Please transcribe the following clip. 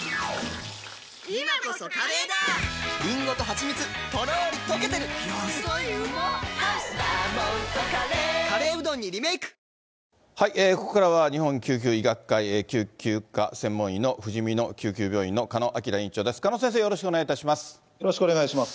丁寧に説明していく、日本救急医学会救急科専門医のふじみの救急病院の鹿野晃院長です。